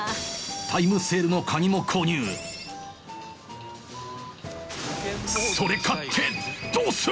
タイムセールのカニも購入どうする！